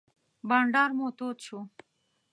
بانډار مو تود شو.